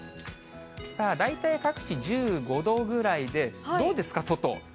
さあ、大体、各地１５度くらいで、どうですか、外。